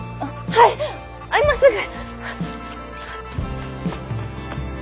はい今すぐ！